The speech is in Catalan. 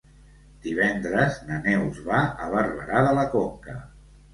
Divendres na Neus va a Barberà de la Conca.